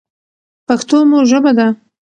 پښتو مو ژبه ده.